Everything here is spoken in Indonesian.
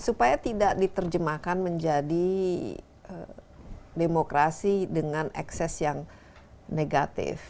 supaya tidak diterjemahkan menjadi demokrasi dengan ekses yang negatif